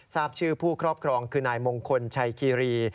ทราบชื่อผู้ครอบครองคือนายมงคลชัยคีรี